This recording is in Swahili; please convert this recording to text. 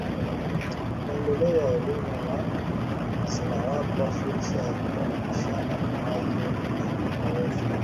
maendeleo ya elimu na zinawapa fursa ya kubadilishana mawazo na uzoefu